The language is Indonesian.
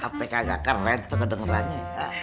hp kagak keren tuh kedengerannya